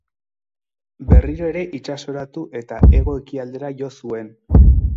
Berriro ere itsasoratu eta hego-ekialdera jo zuen.